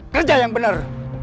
kerja yang benar